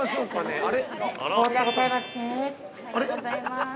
◆ありがとうございます。